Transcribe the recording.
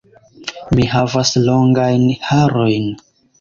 Mi havas longajn harojn.